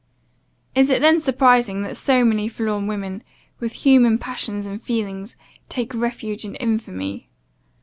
Is it then surprising, that so many forlorn women, with human passions and feelings, take refuge in infamy?